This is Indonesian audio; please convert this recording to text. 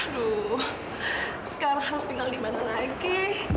aduh sekarang harus tinggal di mana lagi